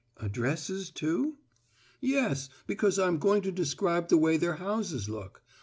"Addresses, too?" "Yes, because I'm going to describe the way their houses look.